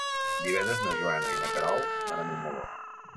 Divendres na Joana i na Queralt van a Montmeló.